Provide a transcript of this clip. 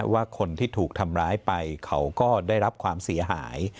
ว่าคนที่ถูกทำร้ายไปเขาก็ได้รับความเสียหาย